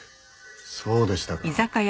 そうでしたか。